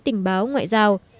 tình báo ngoại giao